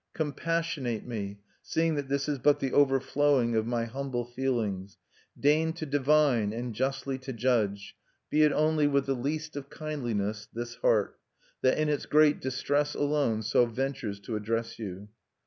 Compassionate me, seeing that this is but the overflowing of my humble feelings; deign to divine and justly to judge, be it only with the least of kindliness, this heart that, in its great distress alone, so ventures to address you.